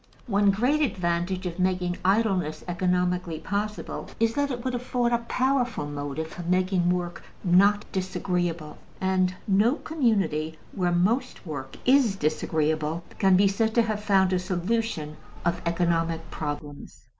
One great advantage of making idleness economically possible is that it would afford a powerful motive for making work not disagreeable; and no community where most work is disagreeable can be said to have found a solution of economic problems.